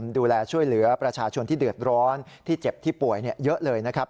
ดูแลช่วยเหลือประชาชนที่เดือดร้อนที่เจ็บที่ป่วยเยอะเลยนะครับ